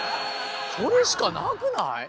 それしかなくない？